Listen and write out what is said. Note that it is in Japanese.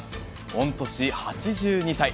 御年８２歳。